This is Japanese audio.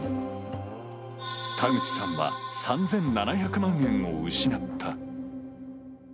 田口さんは３７００万円を失った。